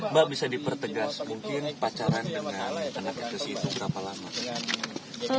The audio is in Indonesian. mbak bisa dipertegas mungkin pacaran dengan anaknya ke situ berapa lama